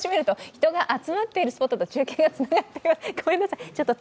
人が集まっているスポットに中継がつながっています。